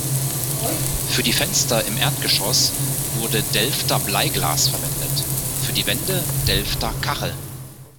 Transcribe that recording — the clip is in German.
Für die Fenster im Erdgeschoss wurde Delfter Bleiglas verwendet, für die Wände Delfter Kacheln.